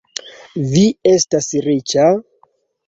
Vi estas riĉa?